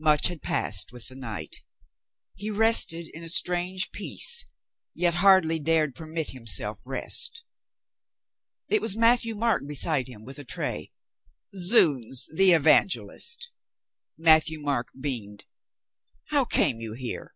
Much had passed with the night. He rested in a strange peace, yet hardly dared permit himself rest. It was Matthieu Marc beside him with a tray. "Zounds, the Evangelist!" Matthieu Marc beamed. "How came you here?"